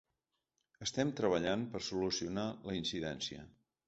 Estem treballant per solucionar la incidència.